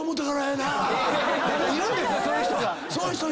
いるんですか⁉そういう人が！